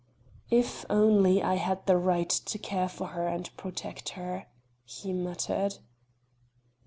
"If only I had the right to care for her and protect her," he muttered.